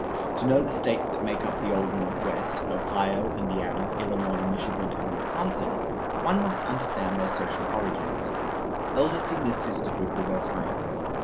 To know the States that make up the Old Northwest Ohio, Indiana, Illinois, Michigan and Wisconsin one must understand their social origins. Eldest in this sisterhood was Ohio.